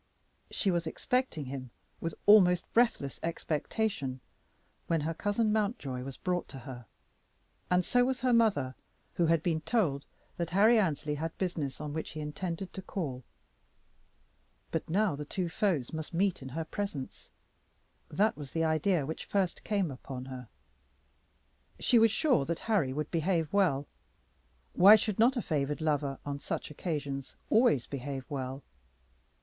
She was expecting him with almost breathless expectation when her cousin Mountjoy was brought to her; and so was her mother, who had been told that Harry Annesley had business on which he intended to call. But now the two foes must meet in her presence. That was the idea which first came upon her. She was sure that Harry would behave well. Why should not a favored lover on such occasions always behave well?